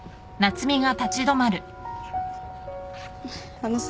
あのさ。